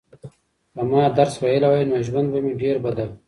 که ما درس ویلی وای نو ژوند به مې ډېر بدل و.